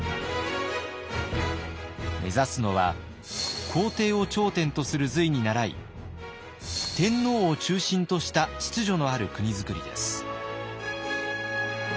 目指すのは皇帝を頂点とする隋に倣い天皇を中心とした秩序のある国づくりです。